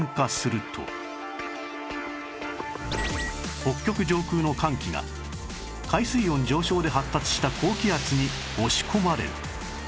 北極上空の寒気が海水温上昇で発達した高気圧に押し込まれる